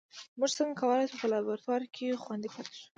موږ څنګه کولای شو په لابراتوار کې خوندي پاتې شو